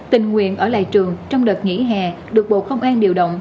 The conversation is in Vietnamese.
tình nguyện ở lại trường trong đợt nghỉ hè được bộ công an điều động